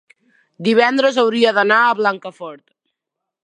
divendres hauria d'anar a Blancafort.